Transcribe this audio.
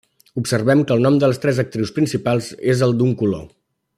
Observem que el nom de les tres actrius principals és el d'un color.